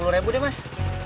lima puluh ribu deh mas